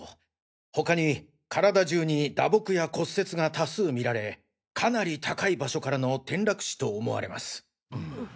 他に体中に打撲や骨折が多数見られかなり高い場所からの転落死と思われます。